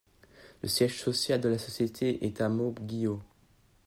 Le siège social de la société est à Mauguio.